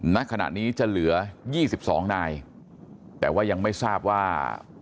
ณขณะนี้จะเหลือ๒๒นายแต่ว่ายังไม่ทราบว่า